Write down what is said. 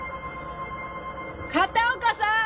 片岡さん！